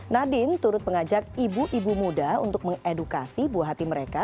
nadine turut mengajak ibu ibu muda untuk mengedukasi buah hati mereka